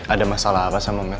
ada masalah apa sama